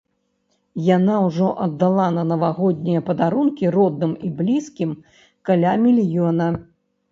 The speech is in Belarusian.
Яна ўжо аддала на навагоднія падарункі родным і блізкім каля мільёна.